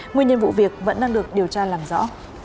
nguyên nhân vụ việc vẫn đang được điều tra làm rõ